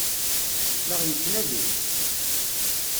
La ɣ-yettnadi?